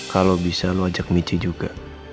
kalau bisa lo ajak michi juga